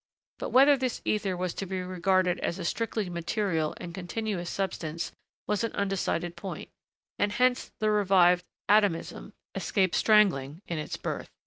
But whether this ether was to be regarded as a strictly material and continuous substance was an undecided point, and hence the revived atomism, escaped strangling in its birth.